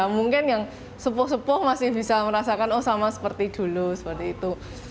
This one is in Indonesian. mungkin yang sepuh sepuh masih bisa merasakan oh sama seperti dulu seperti itu